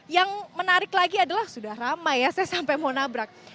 yang menarik lagi adalah sudah ramai ya saya sampai mau nabrak